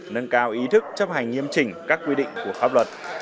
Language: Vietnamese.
nâng cao ý thức chấp hành nghiêm chỉnh các quy định của pháp luật